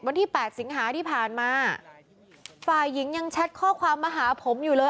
วันที่แปดสิงหาที่ผ่านมาฝ่ายหญิงยังแชทข้อความมาหาผมอยู่เลย